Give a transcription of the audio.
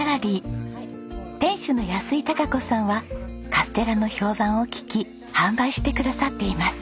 店主の安井恭子さんはカステラの評判を聞き販売してくださっています。